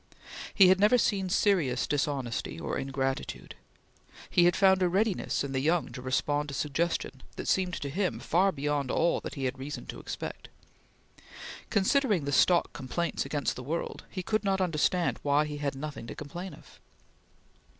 He had never seen serious dishonesty or ingratitude. He had found a readiness in the young to respond to suggestion that seemed to him far beyond all he had reason to expect. Considering the stock complaints against the world, he could not understand why he had nothing to complain of.